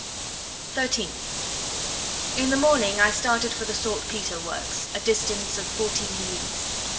13th. In the morning I started for the saltpetre works, a distance of fourteen leagues.